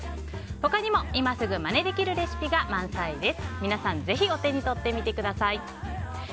他にも今すぐまねできるレシピが満載です。